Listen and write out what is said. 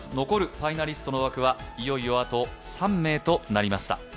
残るファイナリストの枠はいよいよあと３名となりました。